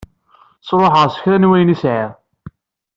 Sṛuḥeɣ s kra n wayen i sɛiɣ.